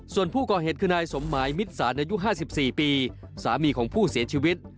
ส่วนผู้ก่อเหตุคือนายสมหมายมิตรสารอายุ๕๔ปีสามีของผู้เสียชีวิต